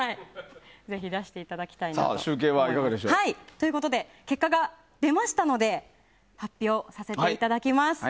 ぜひ出していただきたいなと。ということで結果が出ましたので発表させていただきます。